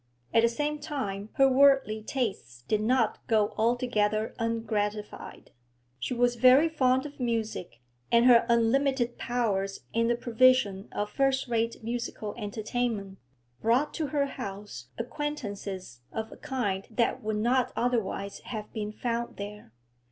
At the same time her worldly tastes did not go altogether ungratified. She was very fond of music, and her unlimited powers in the provision of first rate musical entertainment brought to her house acquaintances of a kind that would not otherwise have been found there.